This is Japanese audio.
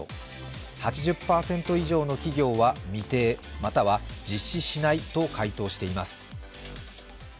８０％以上の企業は未定または実施しないと回答しています。